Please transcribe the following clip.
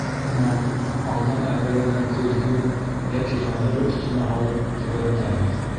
Унан, алдан әҙерләнгән көҙгө йәки фанера өҫтөнә һалып, тәгәрәтәбеҙ.